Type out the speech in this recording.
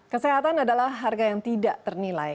kesehatan adalah harga yang tidak ternilai